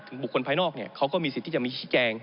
ถึงบุคคลภายนอกเนี่ยเขาก็มีสิทธิ์ที่จะมีขี้แกง